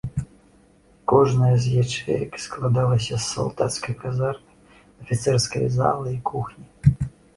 Кожная з ячэек складалася з салдацкай казармы, афіцэрскай залы і кухні.